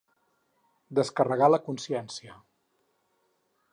Descarregar la consciència.